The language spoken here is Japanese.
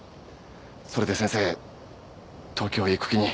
それで先生東京へ行く気に。